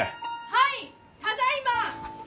・はいただいま！